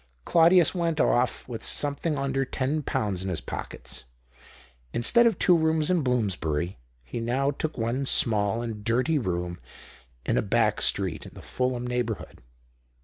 Claudius went off with something under ten pounds in his pockets. Instead of two rooms in Bloomsbury he now took one small and dirty room in a back street in the Ful ham neighbourhood.